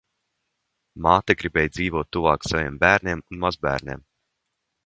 Māte gribēja dzīvot tuvāk saviem bērniem un mazbērniem.